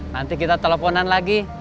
nanti kita teleponan lagi